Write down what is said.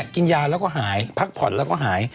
กินยาแล้วก็หายพักผ่อนแล้วก็หาย